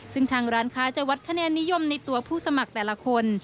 ซึ่งทางร้านค้าจะวัดคะแนนนิยมในตัวผู้สมัครแต่ละคน